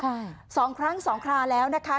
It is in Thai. ใช่สองครั้งสองคราแล้วนะคะ